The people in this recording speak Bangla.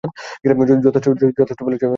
যথেষ্ট বলেছো, ইয়ান।